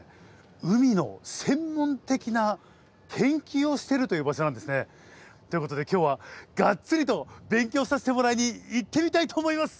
海の専門的な研究をしているという場所なんですね。ということで今日はがっつりと勉強させてもらいに行ってみたいと思います。